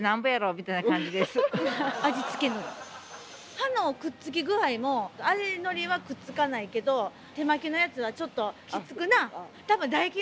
歯のくっつき具合も味のりはくっつかないけど手巻きのやつはちょっとひっつくな。